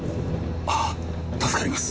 ああ助かります。